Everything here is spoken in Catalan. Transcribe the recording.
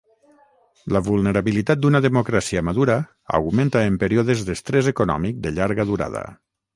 La vulnerabilitat d'una democràcia madura augmenta en períodes d'estrès econòmic de llarga durada.